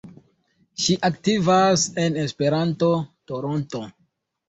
Ŝi aktivas en Esperanto-Toronto.